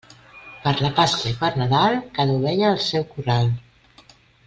Per la Pasqual i per Nadal, cada ovella al seu corral.